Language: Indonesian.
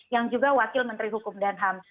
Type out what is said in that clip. yang juga wakil menteri hukum dan ham